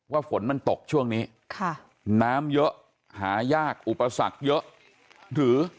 ฝนมันตกช่วงนี้ค่ะน้ำเยอะหายากอุปสรรคเยอะหรือ